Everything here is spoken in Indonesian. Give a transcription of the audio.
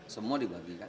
semua dibagi kan